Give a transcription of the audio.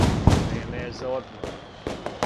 Време је за одмор.